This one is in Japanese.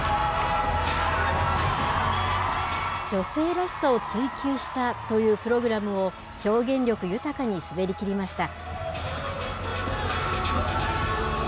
女性らしさを追求したというプログラムを、表現力豊かに滑りきりました。